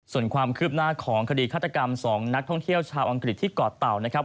ส่วนความคืบหน้าของคดีฆาตกรรม๒นักท่องเที่ยวชาวอังกฤษที่เกาะเต่านะครับ